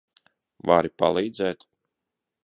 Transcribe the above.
Vari palīdzēt?